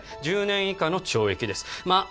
１０年以下の懲役ですまあ